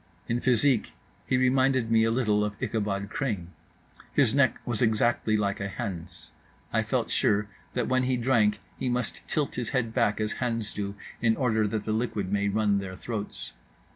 In physique he reminded me a little of Ichabod Crane. His neck was exactly like a hen's: I felt sure that when he drank he must tilt his head back as hens do in order that the liquid may run down their throats.